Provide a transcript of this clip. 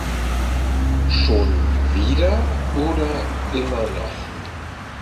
Schon wieder oder immer noch?